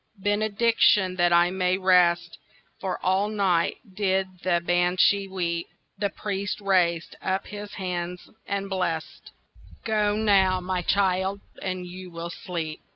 "Benediction, that I may rest, For all night did the Banshee weep." The priest raised up his hands and blest— "Go now, my child, and you will sleep."